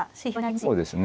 そうですね。